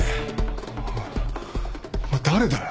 おっお前誰だよ？